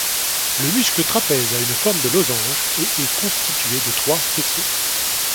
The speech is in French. Le muscle trapèze a une forme de losange et est constitué de trois faisceaux.